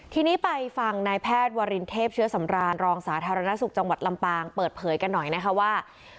ทีนี้ไปฟังนายแพทย์วรินเทพเชื้อสำรานรองสาธารณสุขจังหวัดลำปางเปิดเผยกันหน่อยนะคะว่า